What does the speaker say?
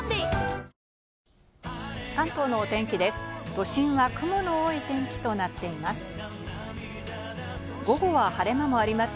都心は雲の多い天気となっています。